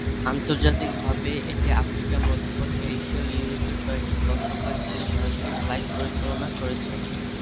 আন্তর্জাতিকভাবে, এটি আফ্রিকা, মধ্যপ্রাচ্য, এশিয়া এবং ইউরোপের কয়েকটি গন্তব্যস্থলে সরাসরি ফ্লাইট পরিচালনা করছে।